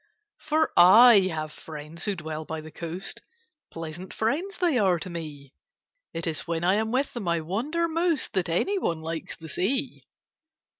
For I have friends who dwell by the coast— Pleasant friends they are to me! It is when I am with them I wonder most That anyone likes the Sea.